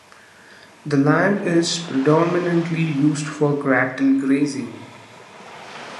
The land is predominantly used for cattle grazing.